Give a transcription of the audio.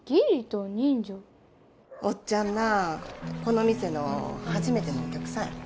おっちゃんなこの店の初めてのお客さんやねん。